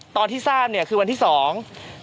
ตอนที่สามคือวันที่สอง